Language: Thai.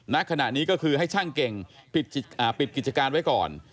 ณขณะนี้ก็คือให้ช่างเก่งปิดกิจการไว้ก่อน